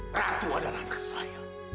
ratu adalah anak saya